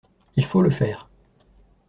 Il faut le faire